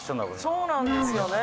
「そうなんですよね」